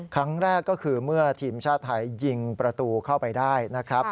ครั้งแรกก็คือเมื่อทีมชาติไทยยิงประตูเข้าไปได้นะครับ